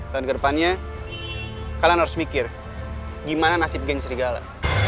dan ke depannya kalian harus mikir gimana nasib geng serigala